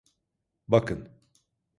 Bakın.